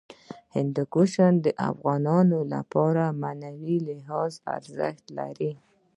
هندوکش د افغانانو لپاره په معنوي لحاظ ارزښت لري.